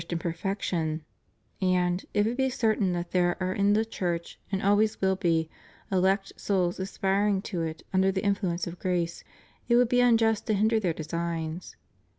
501 tian perfection; and, if it be certain that there are in the Church, and always will be, elect souls aspiring to it under the influence of grace, it would be unjust to hinder their designs.